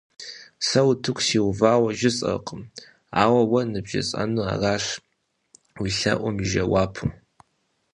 Сэ утыку сиувауэ жысӏэркъым, ар уэ ныбжесӏэу аращ, уи лъэӏум и жэуапу.